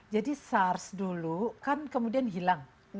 jadi sars dulu kan kemudian hilang